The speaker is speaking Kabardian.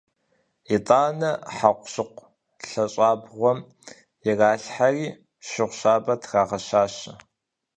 ИтӀанэ хьэкъущыкъу лъэщӀабгъуэм иралъхьэри, шыгъу щабэ трагъэщащэ.